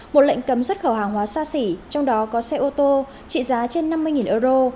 một lệnh cấm xuất khẩu hàng hóa xa xỉ trong đó có xe ô tô trị giá trên năm mươi euro